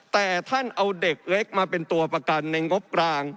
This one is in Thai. แต่ท่านเอาเด็กเล็กมาเป็นตัวประกันในงบกลาง